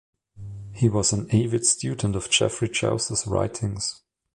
He was an avid student of Geoffrey Chaucer's writings.